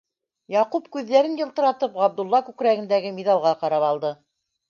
- Яҡуп күҙҙәрен йылтыратып Ғабдулла күкрәгендәге миҙалға ҡарап алды.